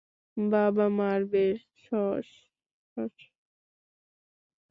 বাবা মারবে, শশশশ্।